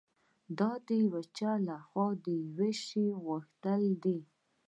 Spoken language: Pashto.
دا د یو چا لهخوا د یوه شي غوښتل دي